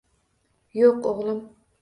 — Yo'q, o'g'lim.